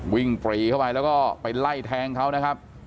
ปรีเข้าไปแล้วก็ไปไล่แทงเขานะครับ